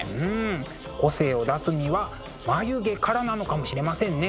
個性を出すには眉毛からなのかもしれませんね。